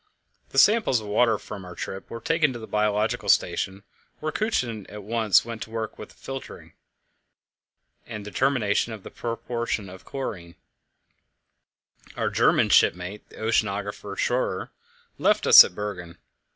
The samples of water from our trip were taken to the biological station, where Kutschin at once went to work with the filtering (determination of the proportion of chlorine). Our German shipmate, the oceanographer Schroer, left us at Bergen.